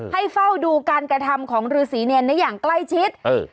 ให้เฝ้าดูการกระทำของฤษีเนรได้อย่างใกล้ชิด